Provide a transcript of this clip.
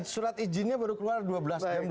surat izinnya baru keluar dua belas jam dua belas siang